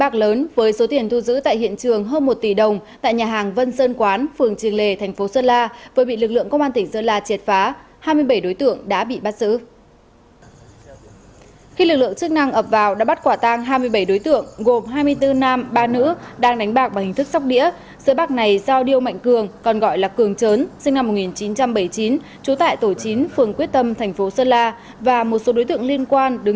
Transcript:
các bạn hãy đăng ký kênh để ủng hộ kênh của chúng mình nhé